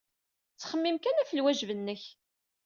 Ttxemmim kan ɣef lwajeb-nnek.